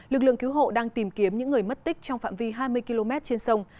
lực lượng cứu hộ đang tìm kiếm những người mất tích trong phạm vi hai mươi km trên sông